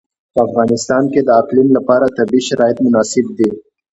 په افغانستان کې د اقلیم لپاره طبیعي شرایط مناسب دي.